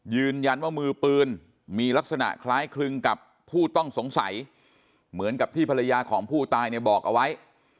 ยืนยันว่ามือปืนมีลักษณะคล้ายคลึงกับผู้ต้องสงสัยเหมือนกับที่ภรรยาของผู้ตายเนี่ยบอกเอาไว้